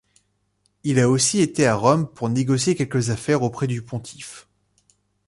Il a aussi été à Rome pour négocier quelques affaires auprès du pontife.